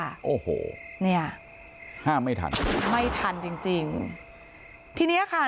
โอ้โหเนี่ยห้ามไม่ทันไม่ทันจริงจริงทีเนี้ยค่ะ